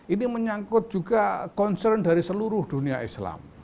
ini menyangkut juga concern dari seluruh dunia islam